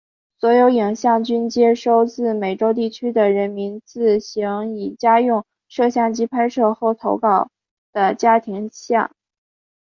所有影像均接收自美洲地区的人民自行以家用摄影机拍摄后投稿的家庭影像。